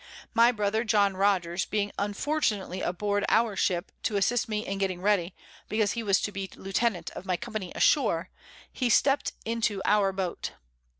My Brother John Rogers being unfortunately aboard our Ship, to assist me in getting ready, because he was to be Lieutenant of my Company ashore, he stept into our Boat.